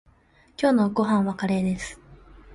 今日のご飯はカレーです。